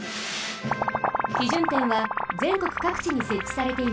基準点はぜんこくかくちにせっちされています。